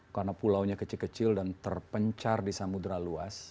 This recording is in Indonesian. karena pulaunya kecil kecil dan terpencar di samudera luas